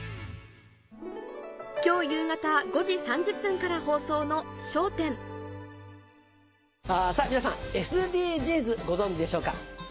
今日夕方５時３０分から放送のさぁ皆さんＳＤＧｓご存じでしょうか？